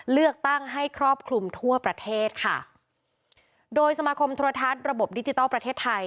เลือกตั้งให้ครอบคลุมทั่วประเทศค่ะโดยสมาคมโทรทัศน์ระบบดิจิทัลประเทศไทย